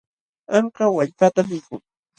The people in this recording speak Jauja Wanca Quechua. Anka wallpatan mikun.